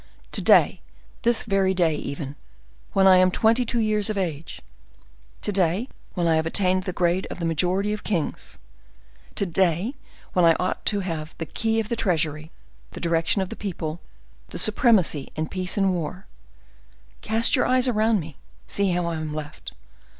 to day, this very day even, when I am twenty two years of age,—to day, when I have attained the grade of the majority of kings,—to day, when I ought to have the key of the treasury, the direction of the policy, the supremacy in peace and war,—cast your eyes around me, see how I am left!